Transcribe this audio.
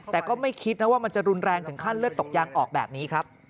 แต่ก็ไม่คิดนะว่ามันจะรุนแรงถึงขั้นเลือดตกยางออกแบบนี้ครับ